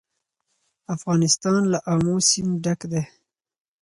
افغانستان له آمو سیند ډک دی.